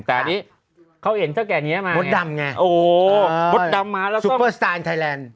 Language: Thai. แต่อันนี้เขาเห็นเท่าแก่นี้มามดดำไงโอ้มดดำมาแล้วซุปเปอร์สตาร์ไทยแลนด์